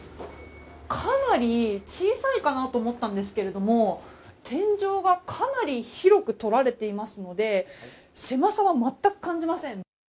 かなり、小さいかなと思ったんですけれど、天井がかなり広く取られていますので、狭さは全く感じません。